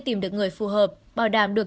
tìm được người phù hợp bảo đảm được